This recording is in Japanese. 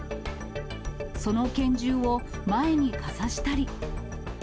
その拳銃を前にかざしたり。